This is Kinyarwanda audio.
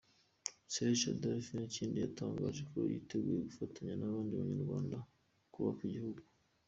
Sergent Adolf Sakindi yatangaje ko yiteguye gufatanya n’abandi Banyarwanda kubaka igihugu.